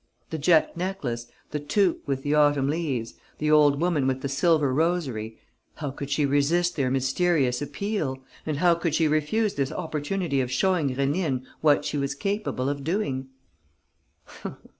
The jet necklace, the toque with the autumn leaves, the old woman with the silver rosary: how could she resist their mysterious appeal and how could she refuse this opportunity of showing Rénine what she was capable of doing?